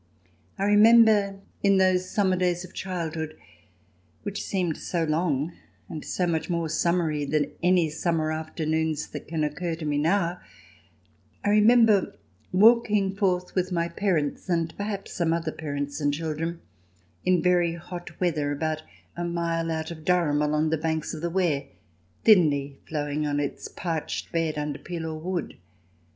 I remember, in those summer days of childhood which seemed so long and so much more summery than any summer afternoons that can occur to me now — I remember walking forth with my parents, and perhaps some other parents and children, in very hot weather, about a mile out of Durham, along the banks of the Wear, thinly flowing on its parched bed under Pelaw Wood.